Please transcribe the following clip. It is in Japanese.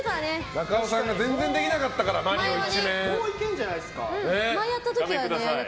中尾さんが全然できなかったからいけ！